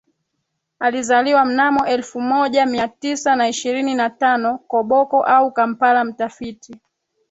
alizaliwa mnamo elfu moja Mia Tisa na ishirini na tano Koboko au Kampala Mtafiti